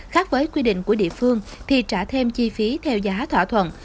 khác với quy định của địa phương thì trả thêm chi phí theo giá thỏa thuận